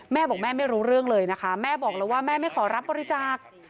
แม่บอกแม่ไม่รู้เรื่องเลยนะคะแม่บอกแล้วว่าแม่ไม่ขอรับบริจาค